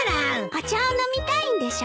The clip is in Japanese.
お茶を飲みたいんでしょ？